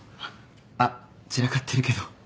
あっ散らかってるけど。